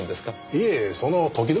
いえその時々です。